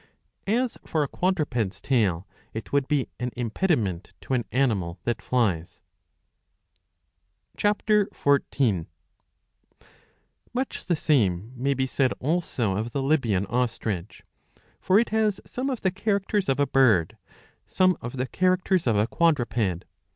As for a quadruped's tail, it would be an impediment to an animal that flies. (Ch. 14.J Much the same may be said also of the Libyan ostrich. For it has some of the characters of a bird, some of the characters 697b. 140 IV. 14. of a quadruped.